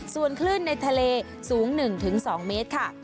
ส่วนคลื่นในทะเลสูง๑๒เมตรค่ะ